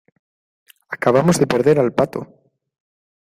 acabamos de perder al pato.